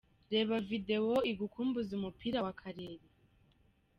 Reba Video igukumbuze umupira wa Karere :.